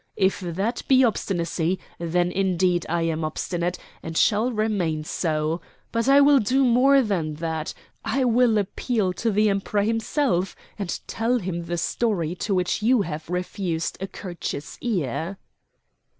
If that be obstinacy, then indeed I am obstinate, and shall remain so. But I will do more than that. I will appeal to the Emperor himself, and tell him the story to which you have refused a courteous ear."